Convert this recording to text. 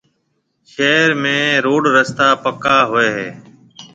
شهر ۾ روڊ رستا پَڪا هوئي هيَ۔